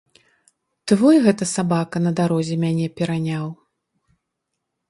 Твой гэта сабака на дарозе мяне пераняў?